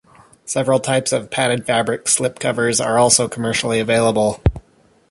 Several types of padded fabric slipcovers are also commercially available.